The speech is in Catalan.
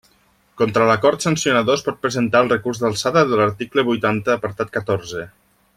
Contra l'acord sancionador es pot presentar el recurs d'alçada de l'article huitanta apartat catorze.